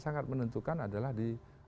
sangat menentukan adalah di